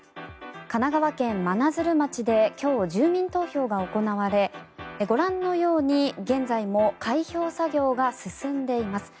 神奈川県真鶴町で今日、住民投票が行われご覧のように現在も開票作業が進んでいます。